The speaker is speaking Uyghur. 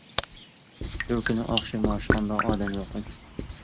بىر كۈنى ئاخشىمى ئاشخانىدا ئادەم يوق ئىدى.